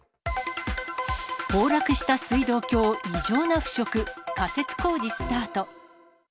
崩落した水道橋、異常な腐食、仮設工事スタート。